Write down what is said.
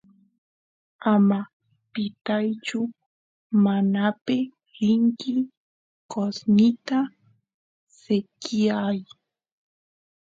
ama pitaychu manape rinki qosnita sekyay